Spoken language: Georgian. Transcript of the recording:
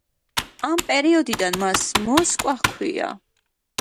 ამ პერიოდიდან მას მოსკვა ჰქვია.